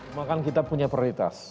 memangkan kita punya prioritas